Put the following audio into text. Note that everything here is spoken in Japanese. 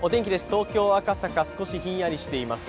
東京・赤坂、少しひんやりしています。